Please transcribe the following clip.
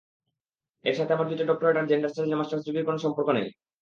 এর সাথে আমার দুইটা ডক্টরেট আর জেন্ডার স্টাডিজে মার্স্টার্স ডিগ্রির কোনো সম্পর্ক নেই।